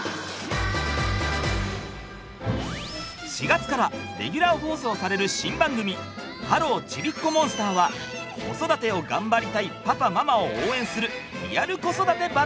４月からレギュラー放送される新番組「ハロー！ちびっこモンスター」は子育てを頑張りたいパパママを応援する